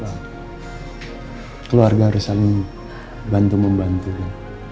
tapi keluarga harus saling bantu membantunya